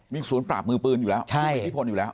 มีศูนย์ปราบมือปืนอยู่แล้วมีอิทธิพลอยู่แล้ว